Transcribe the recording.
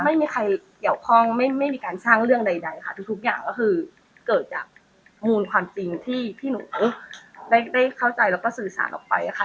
ไม่มีใครเกี่ยวข้องไม่มีการสร้างเรื่องใดค่ะทุกอย่างก็คือเกิดจากมูลความจริงที่พี่หนูได้เข้าใจแล้วก็สื่อสารออกไปค่ะ